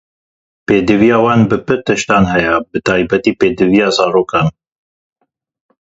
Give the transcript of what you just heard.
Pêdiviya wan bi pir tiştan heye, bi taybet pêdiviyên zarokan.